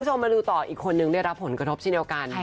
ผู้ชมมารูต่ออีกคนนึงที่ได้รับผลกระทบชื่อแนวค่ะ